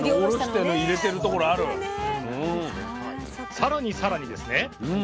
さらにさらにですね